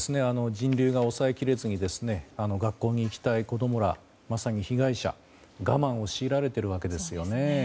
人流が抑えきれずに学校に行きたい子供らまさに被害者我慢を強いられてるわけですよね。